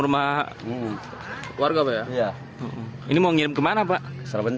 rumah dalam keadaan kosong